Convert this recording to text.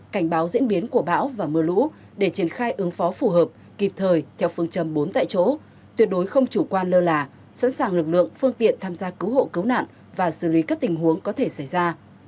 cảnh báo diễn biến của bão và mưa lũ để triển khai ứng phó phù hợp kịp thời theo phương châm bốn tại chỗ tuyệt đối không chủ quan lơ là sẵn sàng lực lượng phương tiện tham gia cứu hộ cứu nạn và xử lý các tình huống có thể xảy ra